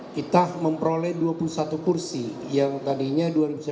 kita memperoleh dua puluh satu kursi yang tadinya dua ribu sembilan belas